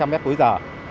ba trăm linh m cuối giờ